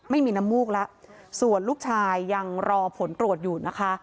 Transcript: ไม่มีน้ำมูกแล้วส่วนลูกชายยังรอผลตรวจอยู่นะคะ